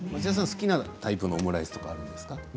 好きなタイプのオムライスとかあるんですか？